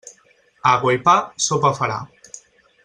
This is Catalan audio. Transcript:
Aigua i pa, sopa farà.